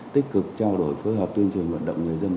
tích cực trao đổi phối hợp tuyên truyền vận động người dân